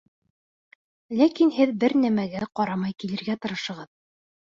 Ләкин һеҙ бер нәмәгә ҡарамай килергә тырышығыҙ.